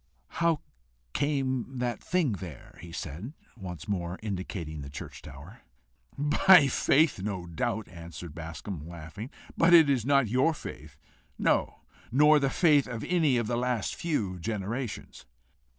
"How came the thing there?" he said, once more indicating the church tower. "By faith, no doubt," answered Bascombe, laughing, "but not your faith; no, nor the faith of any of the last few generations."